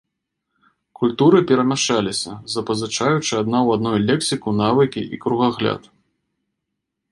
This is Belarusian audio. Культуры перамяшаліся, запазычаючы адна ў адной лексіку, навыкі і кругагляд.